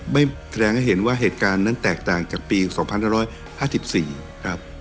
ไม่แสดงให้เห็นว่าเหตุการณ์นั้นแตกต่างจากปี๒๕๕๔ครับ